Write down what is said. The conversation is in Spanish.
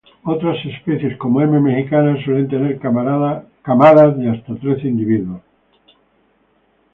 Otras especies, como "M. mexicana" suelen tener camadas de hasta trece individuos.